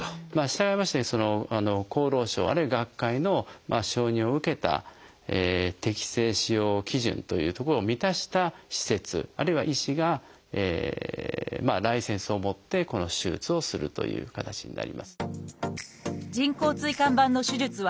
したがいまして厚労省あるいは学会の承認を受けた適正使用基準というところを満たした施設あるいは医師がライセンスを持ってこの手術をするという形になります。